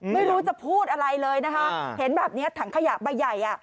ไม่รู้จะพูดอะไรเลยนะคะเห็นแบบนี้ถังขยะใบใหญ่อ่ะ